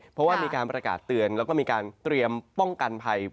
เพราะว่ามีการประกาศเตือนแล้วก็มีการเตรียมป้องกันภัย